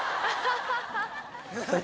はい。